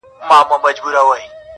سپیني سپوږمۍ حال راته وایه،